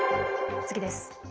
次です。